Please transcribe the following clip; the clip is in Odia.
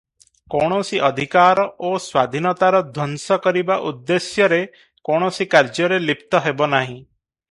କୌଣସି ଅଧିକାର ଓ ସ୍ୱାଧୀନତାର ଧ୍ୱଂସ କରିବା ଉଦ୍ଦେଶ୍ୟରେ କୌଣସି କାର୍ଯ୍ୟରେ ଲିପ୍ତ ହେବନାହିଁ ।